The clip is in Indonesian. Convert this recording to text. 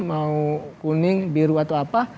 mau kuning biru atau apa